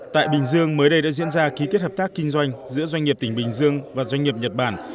tại bình dương mới đây đã diễn ra ký kết hợp tác kinh doanh giữa doanh nghiệp tỉnh bình dương và doanh nghiệp nhật bản